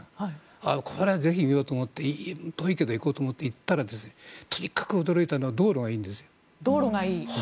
これはぜひ見ようと思って遠いけど行ったらとにかく驚いたのは道路がいいんですよ。